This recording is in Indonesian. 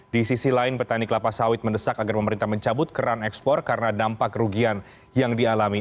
di sisi lain petani kelapa sawit mendesak agar pemerintah mencabut keran ekspor karena dampak kerugian yang dialami